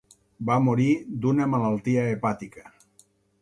Va morir d'una malaltia hepàtica.